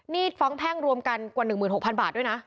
นี่ฟ้องแพ่งรวมกันกว่า๑๖๐๐๐บาทด้วยนะ